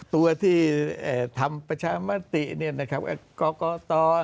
ตัวที่ทำประชามติเนี่ยนะครับกรกต